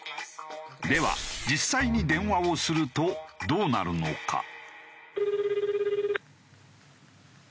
では実際に電話をするとどうなるのか？